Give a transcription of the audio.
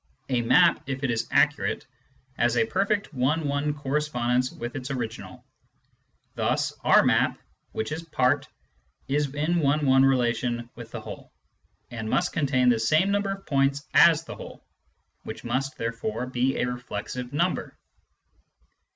A map, if it is accurate, has a perfect one one correspondence with its original ; thus our map, which is part, is in one one relation with the whole, and must contain the same number of points as the whole, which must therefore be a reflexive number.